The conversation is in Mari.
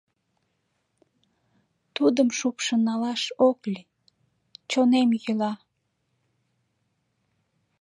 Тудым шупшын налаш ок лий - чонем йӱла.